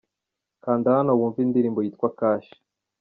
Kanda hano wumve indirimbo yitwa Cash.